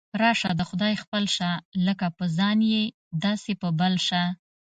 راشه د خدای خپل شه، لکه په ځان یې داسې په بل شه.